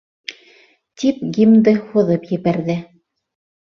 Тип гимнды һуҙып ебәрҙе.